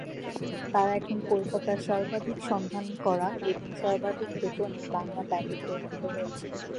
তারা এখন কলকাতার সর্বাধিক সন্ধান করা এবং সর্বাধিক বেতনের বাংলা ব্যান্ডে পরিণত হয়েছে।